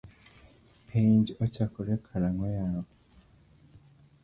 Penj ochakore karang’o yawa?